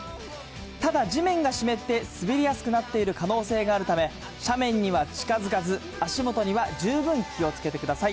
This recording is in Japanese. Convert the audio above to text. ただ、地面が湿って滑りやすくなっている可能性があるため、斜面には近づかず、足元には十分気をつけてください。